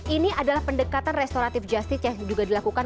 ini adalah pendekatan restoratif justice yang juga dilakukan